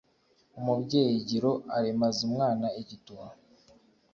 umubyeyi giro aremaza umwana igituba.